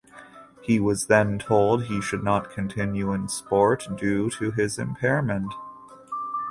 He was then told he should not continue in sport due to his impairment.